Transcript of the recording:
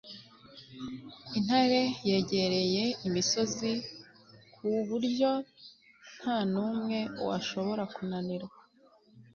Intare yegereye imisozi ku buryo nta numwe washobora kunanirwa